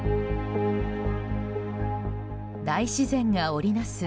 大自然が織りなす